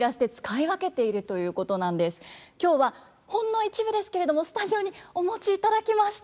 今日はほんの一部ですけれどもスタジオにお持ちいただきました。